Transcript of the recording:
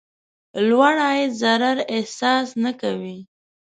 لوړ عاید ضرر احساس نه کوي.